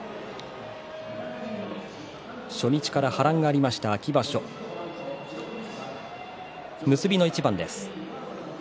初日から波乱がありました秋場所、結びの一番です。